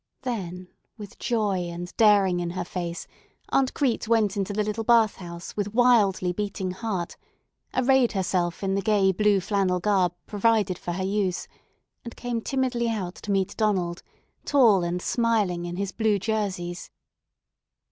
Then with joy and daring in her face Aunt Crete went into the little bath house with wildly beating heart, arrayed herself in the gay blue flannel garb provided for her use, and came timidly out to meet Donald, tall and smiling in his blue jerseys.